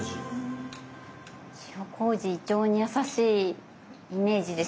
塩麹胃腸に優しいイメージです。